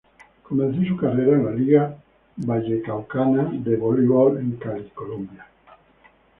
Comenzó su carrera en la Liga Vallecaucana de Voleibol en Cali, Colombia.